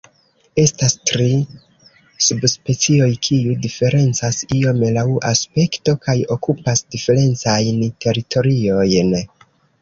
Estas tri subspecioj, kiu diferencas iome laŭ aspekto kaj okupas diferencajn teritoriojn.